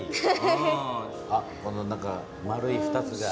あっこの丸い２つが。